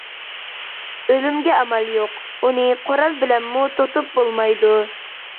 ئۆلۈمگە ئامال يوق، ئۇنى قورال بىلەنمۇ توسۇپ بولمايدۇ.